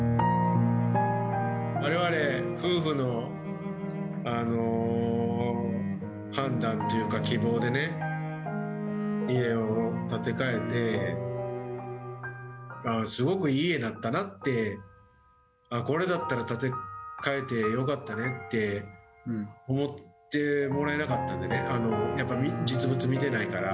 われわれ夫婦の判断というか、希望でね、家を建て替えて、すごくいい家になったなって、これだったら建て替えてよかったねって、思ってもらえなかったんでね、やっぱ実物見てないから。